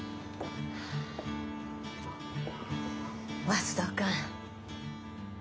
松戸君。